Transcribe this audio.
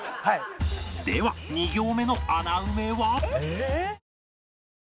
では２行目の穴埋めは？